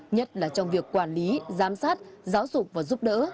nhất là trong việc quản lý giám sát giáo dục và giúp đỡ